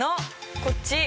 こっち。